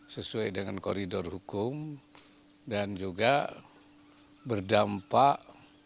sesuai dengan koridor hukum dan juga berdampak